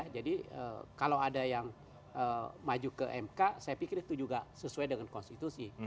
jadi kalau ada yang maju ke mk saya pikir itu juga sesuai dengan konstitusi